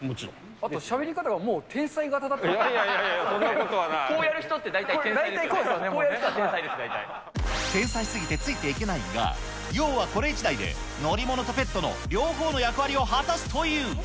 あとしゃべり方が、もう、いやいやいや、そんなことはこうやる人って、大体、こうやる人は天才です、天才すぎてついていけないが、要はこれ１台で、乗り物とペットの両方の役割を果たすという。